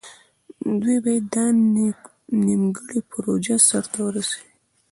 دوی باید دا نیمګړې پروژه سر ته ورسوي.